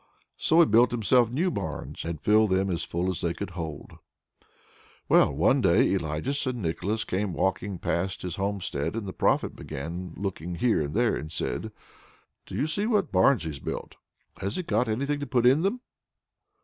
So he built himself new barns, and filled them as full as they could hold. Well, one day Elijah and Nicholas came walking past his homestead, and the Prophet began looking here and there, and said: "Do you see what barns he's built? has he got anything to put into them?"